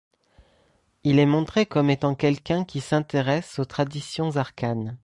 Il est montré comme étant quelqu'un qui s'intéresse aux traditions arcanes.